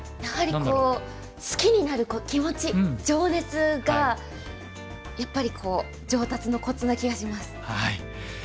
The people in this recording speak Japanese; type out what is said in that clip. やはりこう好きになる気持ち情熱がやっぱりこう上達のコツな気がします。